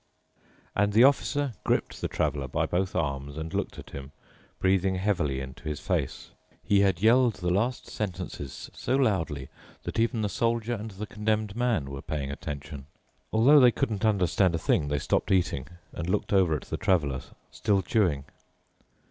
And the officer gripped the traveler by both arms and looked at him, breathing heavily into his face. He had yelled the last sentences so loudly that even the Soldier and the Condemned Man were paying attention. Although they couldn't understand a thing, they stopped eating and looked over at the Traveler, still chewing.